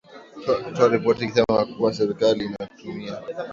kutoa ripoti ikisema kuwa serikali inatumia